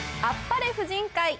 あっぱれ婦人会。